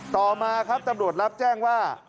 ต่อมาครับตำรวจรับแจ้งว่า